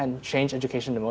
mengubah pendidikan paling banyak